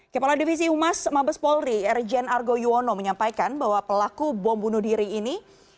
kepala divisi humas mabes polri erjen argo yuwono menyampaikan bahwa pelaku bom bunuh diri ini